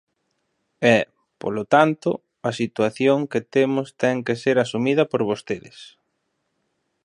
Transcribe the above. E, polo tanto, a situación que temos ten que ser asumida por vostedes.